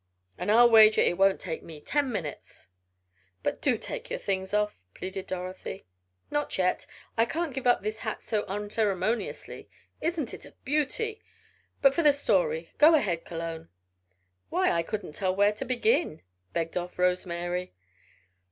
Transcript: "And I'll wager it won't take me ten minutes!" "But do take your things off," pleaded Dorothy. "Not yet. I can't give up this hat so unceremoniously. Isn't it a beauty? But for the story. Go ahead, Cologne." "Why, I couldn't tell where to begin," begged off Rose Mary.